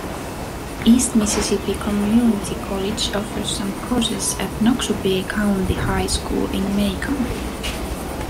East Mississippi Community College offers some courses at Noxubee County High School in Macon.